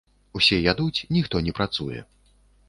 Усё ядуць, ніхто не працуе.